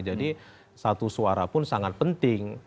jadi satu suara pun sangat penting